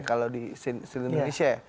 kalau di seluruh indonesia ya